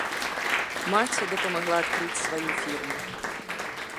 Маці дапамагла адкрыць сваю фірму.